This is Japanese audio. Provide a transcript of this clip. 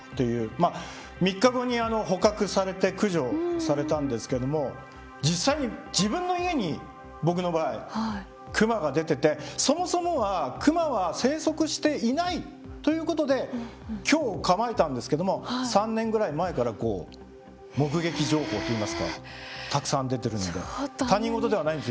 まあ３日後に捕獲されて駆除されたんですけども実際に自分の家に僕の場合クマが出ててそもそもはクマは生息していないということで居を構えたんですけども３年ぐらい前から目撃情報といいますかたくさん出てるので他人事ではないんですよね。